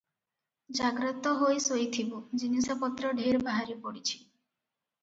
ଜାଗ୍ରତ ହୋଇ ଶୋଇଥିବୁ, ଜିନିଷପତ୍ର ଢେର ବାହାରେ ପଡ଼ିଛି ।"